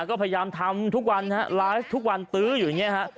ก็พยายามทำทุกวันฮะไลฟ์ทุกวันตื้ออยู่อย่างนี้ฮะ